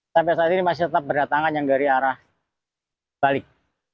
sampai saat ini masih tetap berdatangan yang dari arah balik